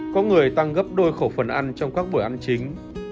có người tăng gấp đôi khẩu phần ăn trong các buổi ăn chính